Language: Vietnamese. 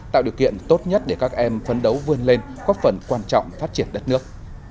tạo điều kiện tốt nhất để các em phấn đấu vươn lên góp phần quan trọng phát triển đất nước